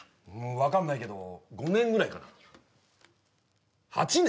分かんないけど５年ぐらいかな８年？